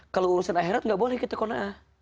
kalau urusan akhirat gak boleh gitu kona'a